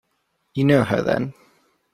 You know her, then?